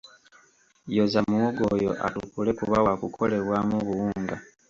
Yoza muwogo oyo atukule kuba wa kukolebwamu buwunga.